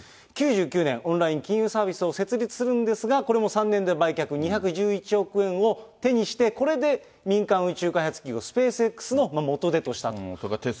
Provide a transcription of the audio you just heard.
９９年、オンライン金融サービスを設立するんですが、これも３年で売却、２１１億円を手にして、これで民間宇宙開発企業、テスラもね。